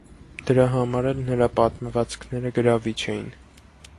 Դրա համար էլ նրա պատմվածքները գրավիչ էին։